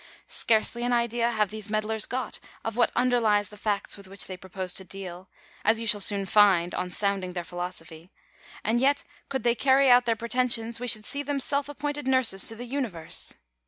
Scarcely an idea have these meddlers got of what underlies the facts with which they propose to deal ; as you shall soon find on sounding their philosophy : and yet, oonld they carry out their preten sions, we should see them self appointed nurses to the uni verse